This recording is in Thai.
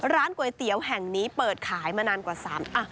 ร้านก๋วยเตี๋ยวแห่งนี้เปิดขายมานานกว่า๓อะ